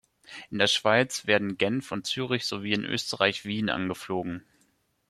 In der Schweiz werden Genf und Zürich sowie in Österreich Wien angeflogen.